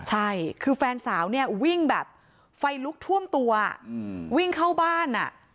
ใช่คือแฟนสาวเนี่ยวิ่งแบบไฟลุกท่วมตัววิ่งเข้าบ้านอ่ะ